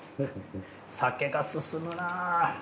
酒が進むな。